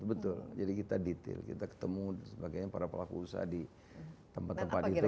betul jadi kita detail kita ketemu dan sebagainya para pelaku usaha di tempat tempat itu